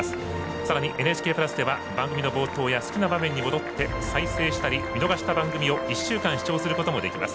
さらにＮＨＫプラスでは番組の冒頭や好きな場面に戻って再生したり見逃した番組を１週間視聴することもできます。